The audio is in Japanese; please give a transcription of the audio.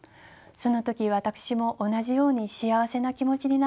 その時私も同じように幸せな気持ちになったのです。